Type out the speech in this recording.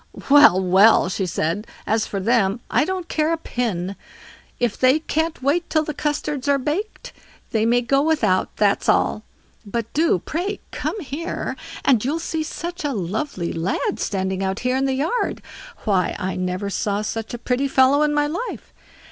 "Well! well!" she said, "as for them, I don't care a pin. If they can't wait till the custards are baked, they may go without—that's all. But do, pray, come here, and you'll see such a lovely lad standing out here in the yard. Why I never saw such a pretty fellow in my life.